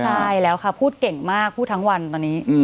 ใช่แล้วค่ะพูดเก่งมากพูดทั้งวันตอนนี้